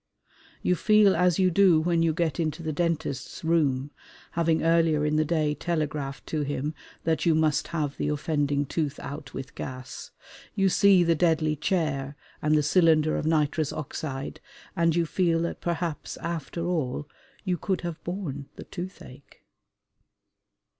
You feel as you do when you get into the dentist's room, having earlier in the day telegraphed to him that you must have the offending tooth out with gas. You see the deadly chair and the cylinder of nitrous oxide and you feel that perhaps after all you could have borne the toothache.